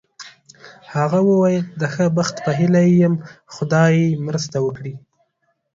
هغه وویل: د ښه بخت په هیله یې یم، خدای یې مرسته وکړي.